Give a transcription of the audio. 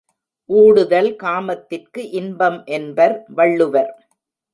ஊடுதல் காமத்திற்கு இன்பம் என்பர் வள்ளுவர்.